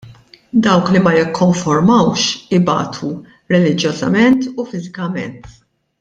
Dawk li ma jikkonformawx, ibatu reliġjożament u fiżikament.